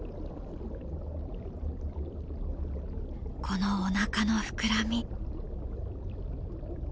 このおなかの膨らみ。